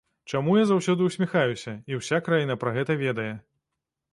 Чаму я заўсёды ўсміхаюся, і ўся краіна пра гэта ведае?